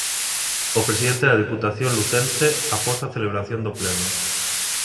O presidente da Deputación lucense após a celebración do pleno.